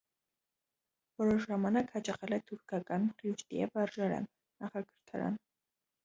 Որոշ ժամանակ հաճախել է թուրքական ռյուշդիե վարժարան (նախակրթարան)։